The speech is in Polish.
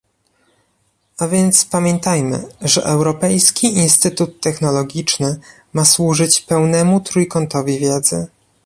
A więc pamiętajmy, że Europejski Instytut Technologiczny ma służyć pełnemu trójkątowi wiedzy